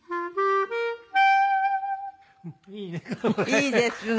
いいですか？